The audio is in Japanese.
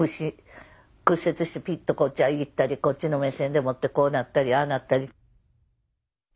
屈折してピッとこっち行ったりこっちの目線でもってこうなったりああなったり。